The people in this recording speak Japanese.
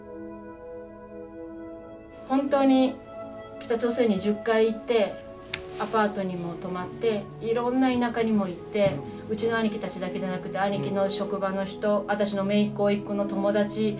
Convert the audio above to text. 本当に北朝鮮に１０回行ってアパートにも泊まっていろんな田舎にも行ってうちの兄貴たちだけじゃなくて兄貴の職場の人私のめいっ子おいっ子の友達。